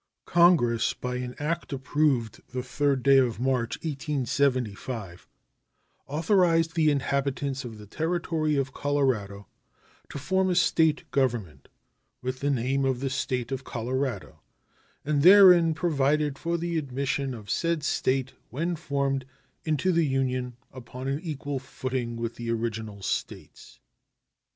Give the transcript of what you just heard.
Congress, by an act approved the 3d day of March, 1875, authorized the inhabitants of the Territory of Colorado to form a State government, with the name of the State of Colorado, and therein provided for the admission of said State, when formed, into the Union upon an equal footing with the original States.